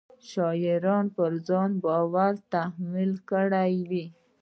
شاعرانو پر ځان بار تحمیل کړی وي.